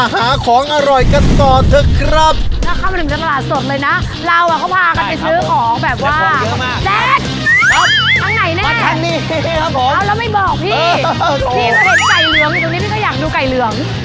พี่ก็อยากดูไก่เรือง